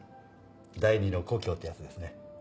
第２の故郷ってやつですね。